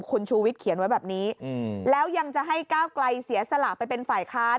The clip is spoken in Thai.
คุณชูวิทย์เขียนไว้แบบนี้แล้วยังจะให้ก้าวไกลเสียสละไปเป็นฝ่ายค้าน